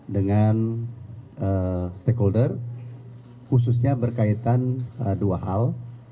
dengan stakeholder khususnya berkaitan dua hal